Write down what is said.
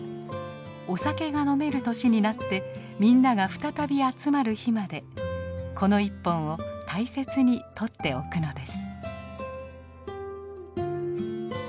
お酒が飲める年になってみんなが再び集まる日までこの１本を大切に取っておくのです。